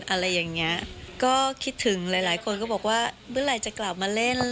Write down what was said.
อะไรอย่างเงี้ยก็คิดถึงหลายหลายคนก็บอกว่าเมื่อไหร่จะกลับมาเล่น